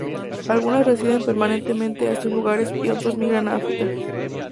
Algunas residen permanentemente en esos lugares, y otras migran a África.